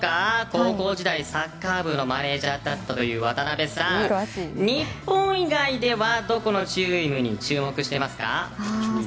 高校時代サッカー部のマネジャーだったという渡辺さん、日本以外ではどこのチームに注目してますか？